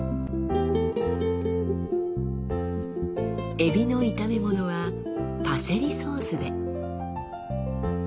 エビの炒め物はパセリソースで。